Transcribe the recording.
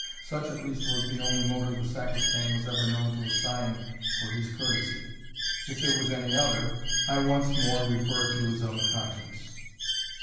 Such at least was the only motive the Sacristan was ever known to assign for his courtesy; if there was any other, I once more refer it to his own conscience.